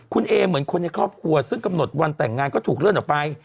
คุณเอเหมือนคนในครอบครัวซึ่งกำหนดวันแต่งงานก็ถูกเลื่อนออกไป